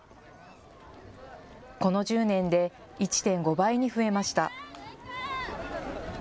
この１０年で１．５倍に増えました。